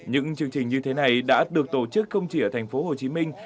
những chương trình như thế này đã được tổ chức không chỉ ở thành phố hồ chí minh